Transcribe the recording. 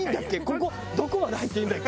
ここどこまで入っていいんだっけ？